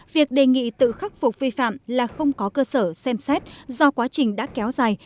việc đề nghị tự khắc phục vi phạm là không có cơ sở xem xét do quá trình đã kéo dài